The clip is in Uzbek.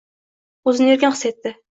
O’zini erkin his etdi.